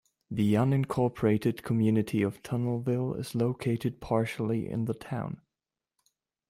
The unincorporated community of Tunnelville is located partially in the town.